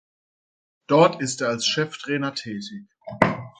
Dort ist er als Cheftrainer tätig.